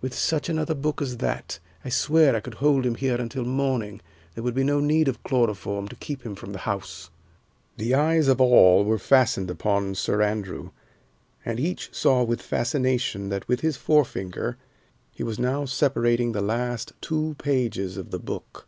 With such another book as that, I swear I could hold him here until morning. There would be no need of chloroform to keep him from the House." The eyes of all were fastened upon Sir Andrew, and each saw with fascination that with his forefinger he was now separating the last two pages of the book.